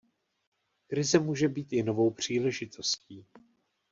Krize může být i novou příležitostí.